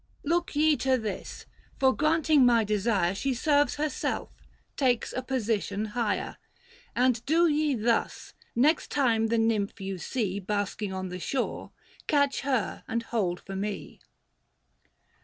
Look ye to this : for granting my desire She serves herself — takes a position higher. 635 And do ye thus, next time the Nymph you see Basking on shore, catch her and hold for me."